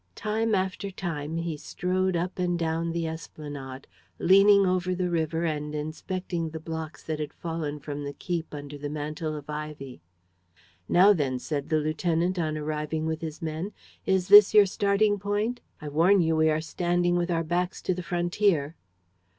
Time after time he strode up and down the esplanade, leaning over the river and inspecting the blocks that had fallen from the keep under the mantle of ivy. "Now then," said the lieutenant, on arriving with his men. "Is this your starting point? I warn you we are standing with our backs to the frontier."